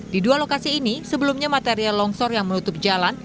di dua lokasi ini sebelumnya material longsor yang menutup jalan